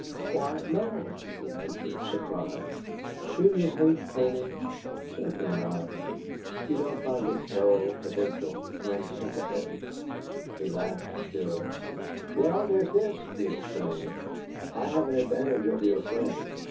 "Why, no!" he answered, surprised. "Do you hate Canaan?" "Certainly not." "You don't find it dull, provincial, unsympathetic?" He laughed cheerily. "Well, there's this," he explained: "I have an advantage over your friend.